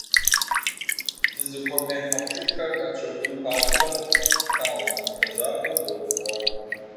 Дызыхуэмей хьэпшыпхэр къэтщэхун папщӏэ, тлъагъу мыхъу лэжьапӏэм докӏуэ.